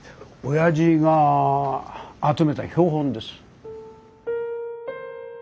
おやじが集めた標本です。